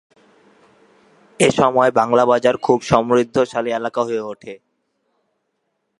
এসময় বাংলা বাজার খুব সমৃদ্ধশালী এলাকা হয়ে ওঠে।